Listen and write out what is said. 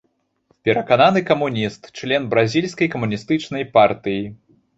Перакананы камуніст, член бразільскай камуністычнай партыі.